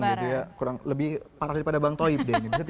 iya dia kurang lebih parah daripada bang toib deh